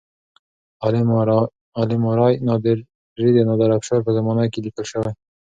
عالم آرای نادري د نادر افشار په زمانه کې لیکل شوی.